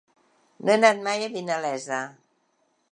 No he anat mai a Vinalesa.